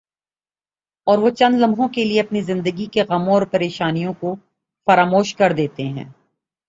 اور وہ چند لمحوں کے لئے اپنی زندگی کے غموں اور پر یشانیوں کو فراموش کر دیتے ہیں ۔